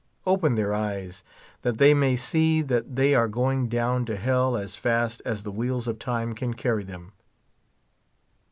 Open their eyes that they may see that they are going down to hell as fast as the wheels of time can carry them.